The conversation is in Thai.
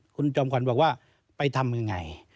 คุณจอมขวัญบอกว่าไปทำยังไง